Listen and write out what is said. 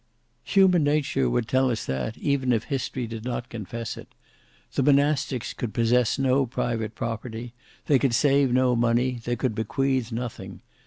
"Human nature would tell us that, even if history did not confess it. The Monastics could possess no private property; they could save no money; they could bequeath nothing.